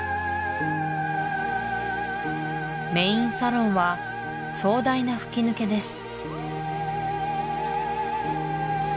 メインサロンは壮大な吹き抜けです